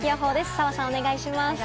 澤さん、お願いします。